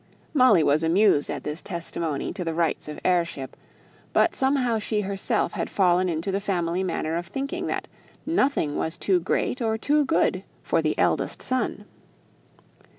Molly was amused at this testimony to the rights of heirship; but somehow she herself had fallen into the family manner of thinking that nothing was too great or too good for "the eldest son."